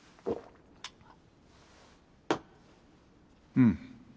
うん。